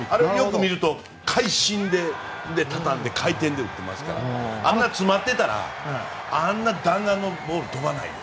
あれは会心で当たって回転で打っていますからあんな詰まっていたらあんな弾丸のボールは飛ばないです。